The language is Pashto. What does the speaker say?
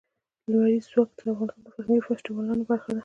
لمریز ځواک د افغانستان د فرهنګي فستیوالونو برخه ده.